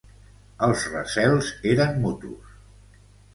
Els recels eren mutus.